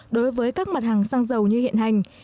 đối với các mặt hàng xăng dầu như hiện hành